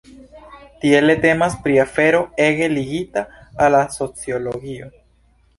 Tiele temas pri afero ege ligita la la sociologio.